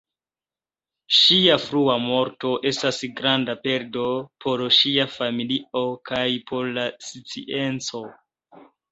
Ŝia frua morto estas granda perdo por ŝia familio kaj por la scienco.